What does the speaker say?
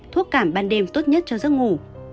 thuốc cảm ban đêm tốt nhất cho giấc ngủ